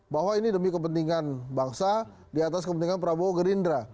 bahwa ini demi kepentingan bangsa diatas kepentingan prabowo gerindra